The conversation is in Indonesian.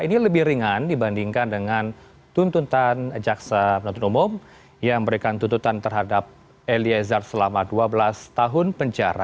ini lebih ringan dibandingkan dengan tuntutan jaksa penuntut umum yang memberikan tuntutan terhadap eliezer selama dua belas tahun penjara